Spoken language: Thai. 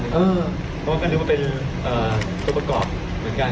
เพราะว่าก็นึกว่าเป็นตัวประกอบเหมือนกัน